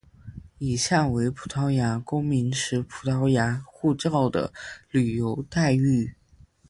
以下为葡萄牙公民持葡萄牙护照的旅游待遇。